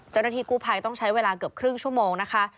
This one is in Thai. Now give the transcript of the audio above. เจ้าหน้าที่กู้ภัยต้องใช้เวลาเกือบครึ่งชั่วโมงนะคะ